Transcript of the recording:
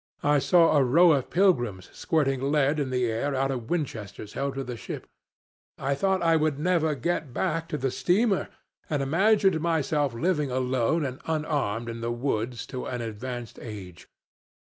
I saw a row of pilgrims squirting lead in the air out of Winchesters held to the hip. I thought I would never get back to the steamer, and imagined myself living alone and unarmed in the woods to an advanced age.